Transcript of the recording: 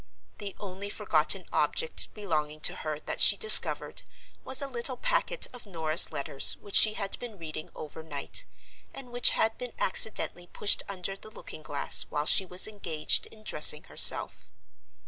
The only forgotten object belonging to her that she discovered was a little packet of Norah's letters which she had been reading overnight, and which had been accidentally pushed under the looking glass while she was engaged in dressing herself.